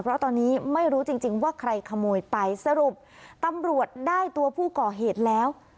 เพราะตอนนี้ไม่รู้จริงจริงว่าใครขโมยไปสรุปตำรวจได้ตัวผู้ก่อเหตุแล้ว